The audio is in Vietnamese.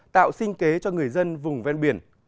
tạo sinh kế cho người dân vùng ven biển